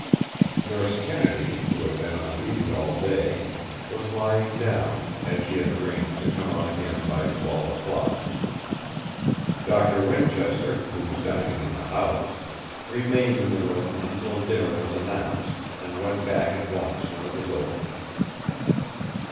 Nurse Kennedy, who had been on duty all day, was lying down, as she had arranged to come on again by twelve o'clock. Doctor Winchester, who was dining in the house, remained in the room until dinner was announced; and went back at once when it was over.